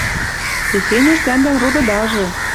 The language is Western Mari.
Техень уж тӓмдӓн родыдажы.